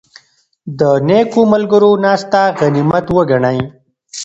د نېکو ملګرو ناسته غنیمت وګڼئ.